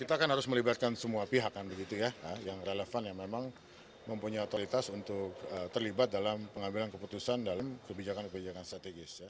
kita kan harus melibatkan semua pihak kan begitu ya yang relevan yang memang mempunyai otoritas untuk terlibat dalam pengambilan keputusan dalam kebijakan kebijakan strategis